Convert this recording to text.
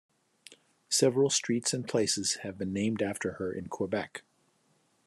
Several streets and places have been named after her in Quebec.